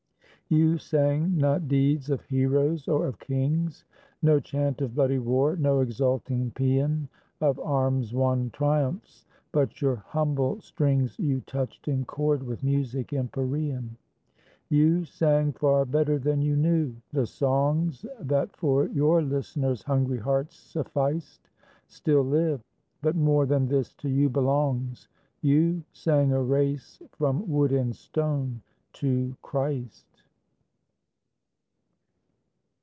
You sang not deeds of heroes or of kings; No chant of bloody war, no exulting pean Of arms won triumphs; but your humble strings You touched in chord with music empyrean. You sang far better than you knew; the songs That for your listeners' hungry hearts sufficed Still live, but more than this to you belongs: You sang a race from wood and stone to Christ.